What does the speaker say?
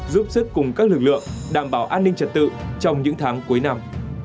giúp sức cùng các lực lượng đảm bảo an ninh trật tự trong những tháng cuối năm